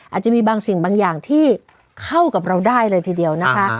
อาจจะมีบางสิ่งบางอย่างที่เข้ากับเราได้เลยทีเดียวนะคะ